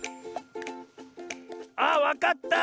あっわかった！